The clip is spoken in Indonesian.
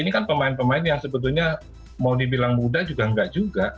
ini kan pemain pemain yang sebetulnya mau dibilang muda juga enggak juga